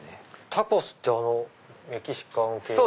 タコスってメキシカン系の？